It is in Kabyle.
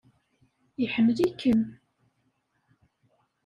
Iḥemmel-ikem!